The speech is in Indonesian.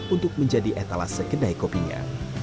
untuk menjadi etalase kedai kopinya